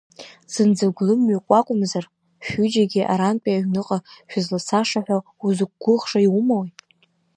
Зынӡа гәлымҩык уакәымзар, шәҩыџьагьы арантәи аҩныҟа шәызлацаша ҳәа узықәгәыӷша иумои?